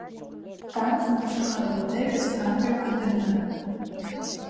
Кан зныԥшылара уадаҩыз амҩақәа дырнын.